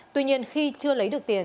tuy nhiên khi chưa lấy được tiền